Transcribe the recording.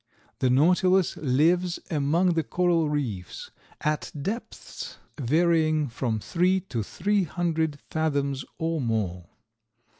The Nautilus lives among the coral reefs, at depths varying from three to three hundred fathoms or more.